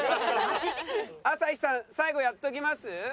朝日さん最後やっときます？